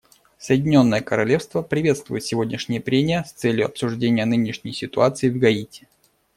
Соединенное Королевство приветствует сегодняшние прения с целью обсуждения нынешней ситуации в Гаити.